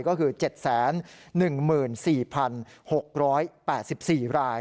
ก็คือ๗๑๔๖๘๔ราย